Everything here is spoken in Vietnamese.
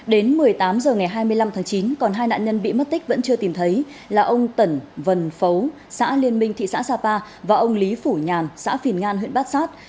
đến một mươi tám h ngày hai mươi năm tháng chín còn hai nạn nhân bị mất tích vẫn chưa tìm thấy là ông tẩn vân phấu xã liên minh thị xã sapa và ông lý phủ nhàn xã phìn ngan huyện bát sát